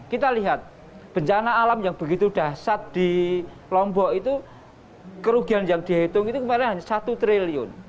kita lihat bencana alam yang begitu dasar di lombok itu kerugian yang dihitung itu kemarin hanya satu triliun